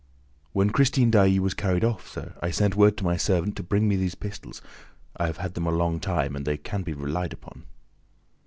"When Christine Daae was carried off, sir, I sent word to my servant to bring me these pistols. I have had them a long time and they can be relied upon."